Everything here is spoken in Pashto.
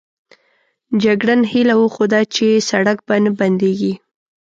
جګړن هیله وښوده چې سړک به نه بندېږي.